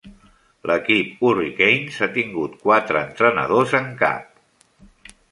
L'equip Hurricanes ha tingut quatre entrenadors en cap.